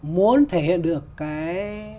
muốn thể hiện được cái